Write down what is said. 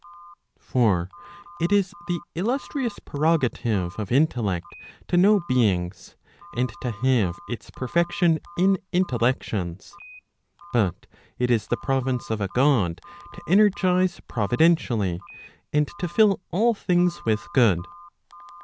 For it is the illustrious prerogative of intellect to know beings, and to have its perfection in intellections. But it is the province of a God to energize providentially, and to fill all things with good.